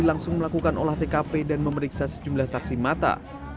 langsung melakukan olah tkp dan memeriksa sejumlah saksi mata